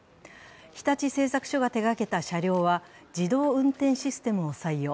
日立製作所が手がけた車両は自動運転システムを採用。